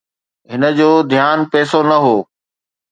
هن جو ڌيان پئسو نه هو